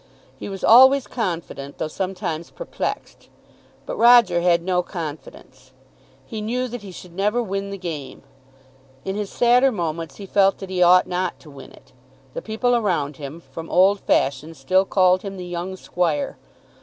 He was always confident though sometimes perplexed. But Roger had no confidence. He knew that he should never win the game. In his sadder moments he felt that he ought not to win it. The people around him, from old fashion, still called him the young squire!